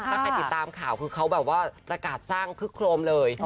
ถ้าใครติดตามข่าวคือเขาแบบว่าประกาศสร้างคึกโครมเลย